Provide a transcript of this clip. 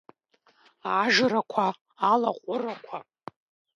Ажрақәа, алаҟәырақәа…